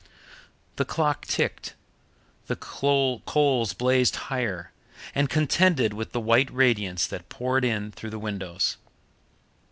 The clock ticked, the coals blazed higher, and contended with the white radiance that poured in through the windows.